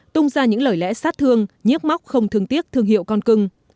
tung ra những lời lẽ sát thương nhiếc móc không thương tiếc thương hiệu con cưng